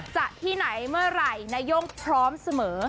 จะที่ไหนเมื่อไหร่นาย่งพร้อมเสมอ